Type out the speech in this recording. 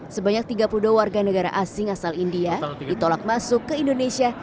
sebanyak tiga puluh dua warga negara asing asal india ditolak masuk ke indonesia